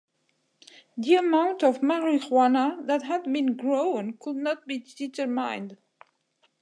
The amount of marijuana that had been grown could not be determined.